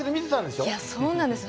いやそうなんですよ。